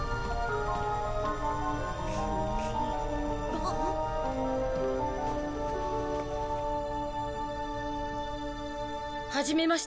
あっ？はじめまして。